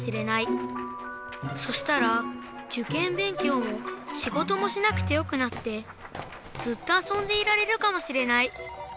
そしたらじゅけんべんきょうもしごともしなくてよくなってずっとあそんでいられるかもしれない。